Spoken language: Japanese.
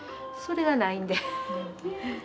それがないんで。